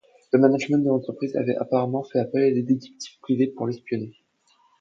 Le management de l'entreprise avait apparemment fait appel à des détectives privés pour l'espionner.